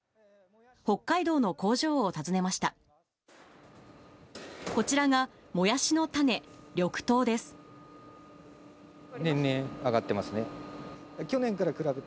北海道の工場を訪ねました。